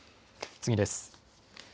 次です。